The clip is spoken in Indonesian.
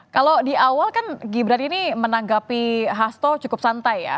kalau di awal kan gibran ini menanggapi hasto cukup santai ya